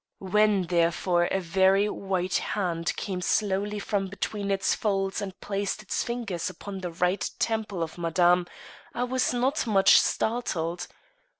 When, therefore, a very white hand came slowly from between its folds and placed its fingers upon the right temple of Madame, I was not much startled.